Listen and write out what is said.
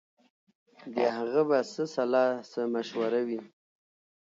د هغه به څه سلا څه مشوره وي